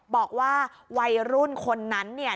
บอกว่าวัยรุ่นคนนั้นเนี่ย